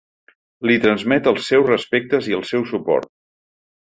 Li transmet els seus respectes i el seu suport.